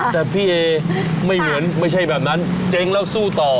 แต่พี่เอไม่เหมือนไม่ใช่แบบนั้นเจ๊งแล้วสู้ต่อ